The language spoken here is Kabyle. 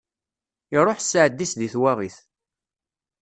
Iruḥ sseɛd-is di twaɣit.